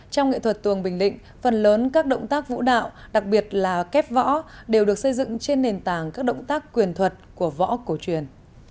trong nghệ thuật tuồng bình định phần lớn các động tác vũ đạo đặc biệt là kép võ đều được xây dựng trên nền tảng các động tác quyền thuật của võ cổ truyền